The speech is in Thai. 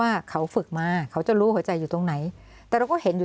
ว่าเขาฝึกมาเขาจะรู้หัวใจอยู่ตรงไหนแต่เราก็เห็นอยู่